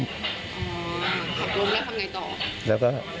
อ๋อผักล้มแล้วทำไงต่อ